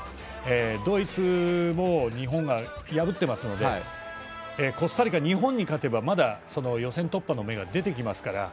ドイツも、日本が破っていますのでコスタリカは、日本に勝てばまだ予選突破の目が出てきますから。